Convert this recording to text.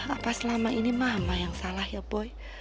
apa selama ini mama yang salah ya boy